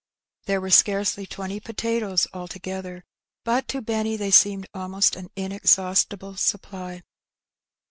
There were scarcely twenty potatoes altogether, but to Benny they seemed almost an inexhaustible supply.